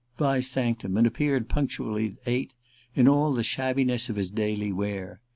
Vyse thanked him, and appeared, punctually at eight, in all the shabbiness of his daily wear.